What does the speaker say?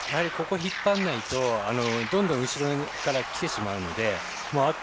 ここ、引っ張らないとどんどん後ろから来てしまうので。